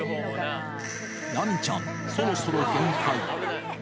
ラミちゃん、そろそろ限界。